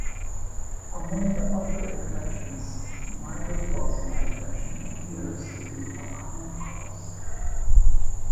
Among the other infections, "Mycoplasma" infection appears to be a common cause.